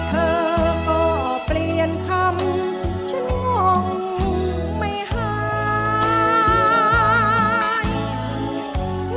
เธอก็เปลี่ยนคำฉันงงไม่หาย